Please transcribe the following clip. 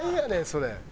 それ。